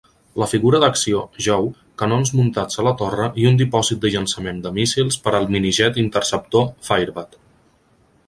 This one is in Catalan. La figura d'acció Joe, canons muntats a la torre i un dipòsit de llançament de míssils per al mini-jet interceptor Firebat.